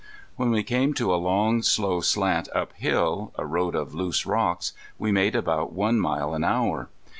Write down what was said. When we came to a long slow slant uphill, a road of loose rocks, we made about one mile an hour.